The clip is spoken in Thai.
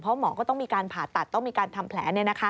เพราะหมอก็ต้องมีการผ่าตัดต้องมีการทำแผล